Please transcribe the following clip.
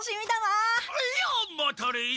・あいや待たれい